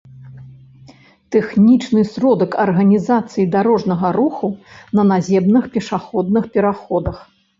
тэхнічны сродак арганізацыі дарожнага руху на наземных пешаходных пераходах